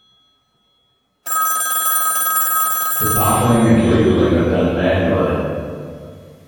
The bottling and labelling are done manually.